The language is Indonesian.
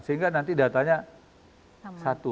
sehingga nanti datanya satu